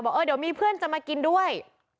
เออเดี๋ยวมีเพื่อนจะมากินด้วย